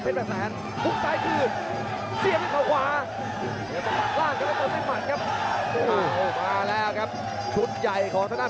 ภูมิซ้ายผู้หลบมีสำความสูตรลากโอ้บสู้สายหมานครับ